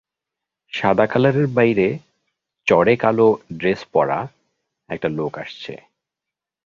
সাদা কালারের বাইরে চড়ে কালো ড্রেস পরা একটা লোক আসছে।